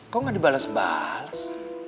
kok gak dibalas balas